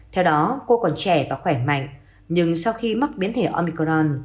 theo đó cô còn trẻ và khỏe mạnh nhưng sau khi mắc biến thể omicron